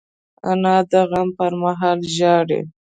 انا د غم پر مهال ژاړي